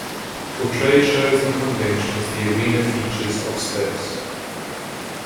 For trade shows and conventions the arena features of space.